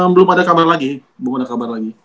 belum ada kabar lagi